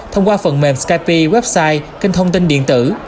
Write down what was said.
thông qua phần mềm skyp website kênh thông tin điện tử